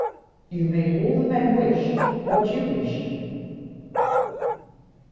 You made all the men wish what you wished."